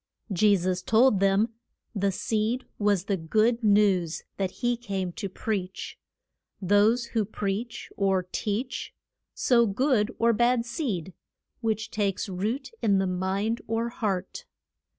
Je sus told them the seed was the good news that he came to preach. Those who preach, or teach, sow good or bad seed, which takes root in the mind or heart.